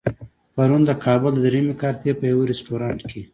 پرون د کابل د درېیمې کارتې په يوه رستورانت کې.